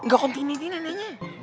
gak kontinu nih neneknya